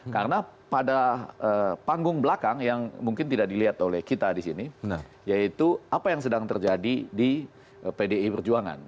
karena pada panggung belakang yang mungkin tidak dilihat oleh kita di sini yaitu apa yang sedang terjadi di pdi perjuangan